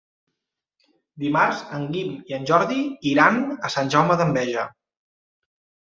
Dimarts en Guim i en Jordi iran a Sant Jaume d'Enveja.